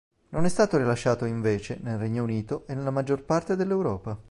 Non è stato rilasciato invece, nel Regno Unito e nella maggior parte dell'Europa.